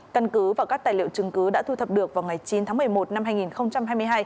căn cứ và các tài liệu chứng cứ đã thu thập được vào ngày chín tháng một mươi một năm hai nghìn hai mươi hai